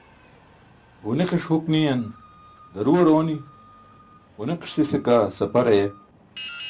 Ġuniqiṣ huk niyan daruwar ooni, ġuniqiṣ sise kaa sapar aye.